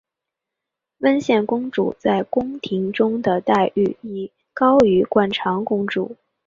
温宪公主在宫廷中的待遇亦高于惯常公主。